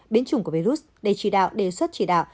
biến chủng của virus đề trị đạo đề xuất trị đạo